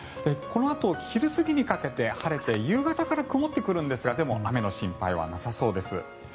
このあと昼過ぎにかけて晴れて夕方から曇ってくるんですがでも、雨の心配はなさそうです。